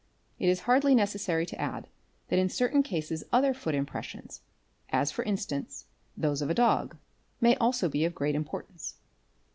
It is hardly necessary to d that in certain cases other foot impressions, as for instance those of dog, may also be of great importance.